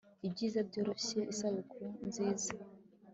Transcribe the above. ibyiza byoroshye isabukuru nziza